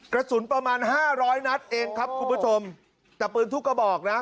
กระสุนประมาณห้าร้อยนัดเองครับคุณผู้ชมแต่ปืนทุกกระบอกนะ